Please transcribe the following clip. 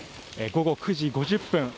午後９時５０分。